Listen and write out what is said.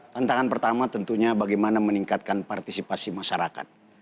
tantangan pertama tentunya bagaimana meningkatkan partisipasi masyarakat